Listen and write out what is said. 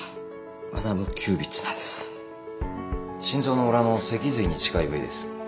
心臓の裏の脊髄に近い部位です。